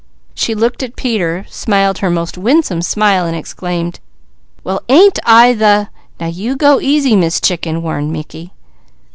She looked at Peter, smiled her most winsome smile and exclaimed: "Well ain't I the " "Now you go easy, Miss Chicken," warned Mickey.